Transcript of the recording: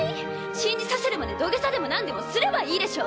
信じさせるまで土下座でもなんでもすればいいでしょ。